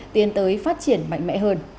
tiến tới phát triển mạnh mẽ hơn